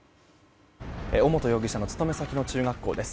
尾本容疑者の勤め先の中学校です。